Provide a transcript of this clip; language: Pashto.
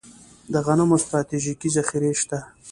د غنمو ستراتیژیکې ذخیرې شته